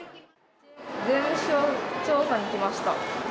税務署調査に来ました。